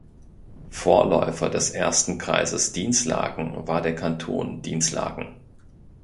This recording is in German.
Vorläufer des ersten Kreises Dinslaken war der Kanton Dinslaken.